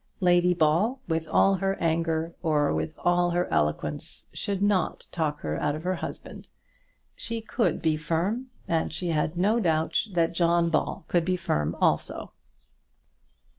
Lady Ball, with all her anger, or with all her eloquence, should not talk her out of her husband. She could be firm, and she had no doubt that John Ball could be firm also.